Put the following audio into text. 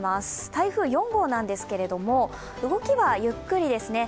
台風４号なんですけれども動きはゆっくりですね。